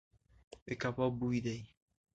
د کباب بوی دی .